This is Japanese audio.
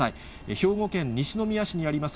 兵庫県西宮市にあります